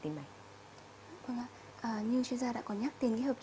vâng ạ như chuyên gia đã có nhắc